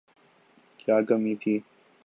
کیا کمی تھی۔